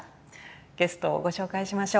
ゲストをご紹介しましょう。